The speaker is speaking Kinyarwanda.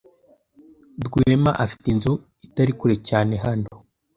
Rwema afite inzu itari kure cyane hano.